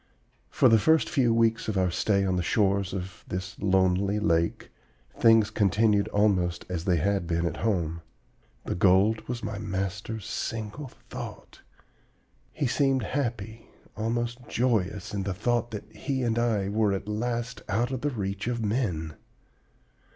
"For the first few weeks of our stay on the shores of this lonely lake, things continued almost as they had been at home. The gold was my master's single thought. He seemed happy, almost joyous, in the thought that he and I were at last out of the reach of men.